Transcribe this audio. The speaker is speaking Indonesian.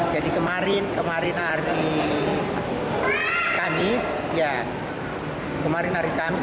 jadi kemarin hari kamis